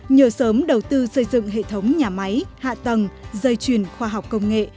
nhờ sớm đầu tư xây dựng hệ thống nhà máy hạ tầng dây chuyền khoa học công nghệ